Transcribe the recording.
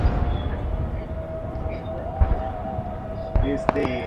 El periódico se enfoca en noticias políticas, culturales, sociales y económicas.